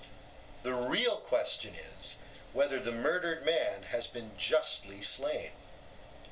The real question is whether the murdered man has been justly slain.